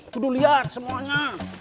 tuduh liat semuanya